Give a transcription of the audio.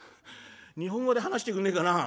「日本語で話してくんねえかな。